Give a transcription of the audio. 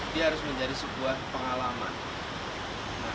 dia harus menjadi sebuah pengalaman